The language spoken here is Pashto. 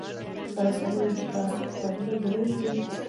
رسنۍ د تعصب پر ضد رول لري